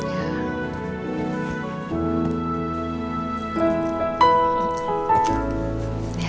ya simpen ya